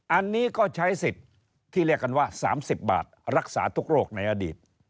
อันนี้ก็ใช้สิทธิ์ที่เรียกกันว่า๓๐บาทรักษาทุกโรคในอดีต